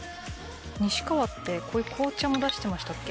西川ってこういう紅茶も出してましたっけ？